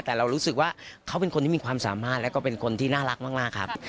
แต่เรารู้สึกว่าเขาเป็นคนที่มีความสามารถแล้วก็เป็นคนที่น่ารักมากครับ